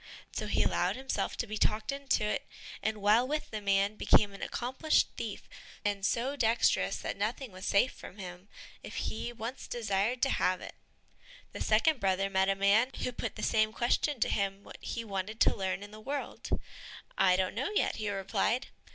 So he allowed himself to be talked into it, and while with the man became an accomplished thief, and so dexterous that nothing was safe from him, if he once desired to have it. The second brother met a man who put the same question to him what he wanted to learn in the world. "I don't know yet," he replied.